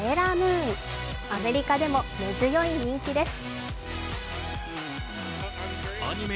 アメリカでも根強い人気です。